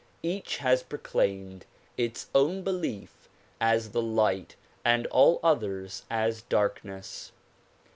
Each has proclaimed its own belief as the light and all others as darkness.